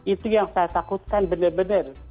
itu yang saya takutkan benar benar